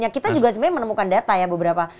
kita juga sebenarnya menemukan data ya beberapa